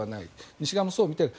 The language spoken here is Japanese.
西側もそう見ていない。